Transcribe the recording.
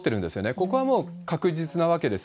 ここはもう確実なわけです。